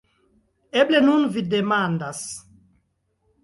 Eble nun vi demandas.